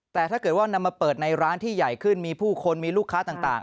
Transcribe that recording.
แต่ถ้าเกิดว่านำมาเปิดในร้านที่ใหญ่ขึ้นมีผู้คนมีลูกค้าต่าง